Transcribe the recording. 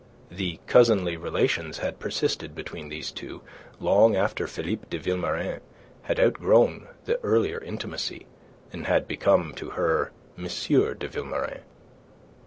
The cousinly relations had persisted between these two long after Philippe de Vilmorin had outgrown the earlier intimacy, and had become to her Monsieur de Vilmorin.